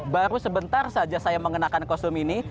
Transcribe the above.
baru sebentar saja saya mengenakan kostum ini